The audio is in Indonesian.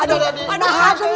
aduh aduh aduh